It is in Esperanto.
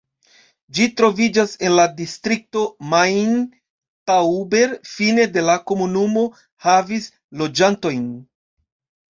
Ĝi troviĝas en la distrikto Main-Tauber Fine de la komunumo havis loĝantojn.